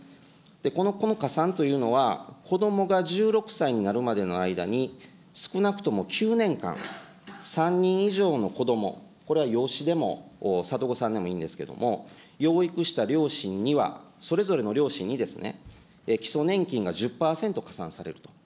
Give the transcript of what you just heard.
この子の加算というのは、子どもが１６歳になるまでの間に少なくとも９年間、３人以上の子ども、これは養子でも里子さんでもいいんですけれども、養育した両親には、それぞれの両親にですね、基礎年金が１０％加算されると。